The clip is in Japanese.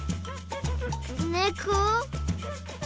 ねこ？